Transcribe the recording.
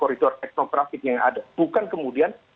retor teknografik yang ada bukan kemudian